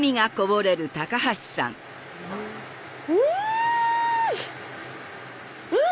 うん！